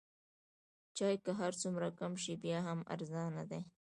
چای که هر څومره کم شي بیا هم ارزانه دی.